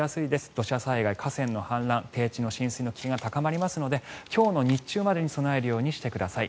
土砂災害、河川の氾濫低地の浸水の危険が高まりますので今日の日中までに備えるようにしてください。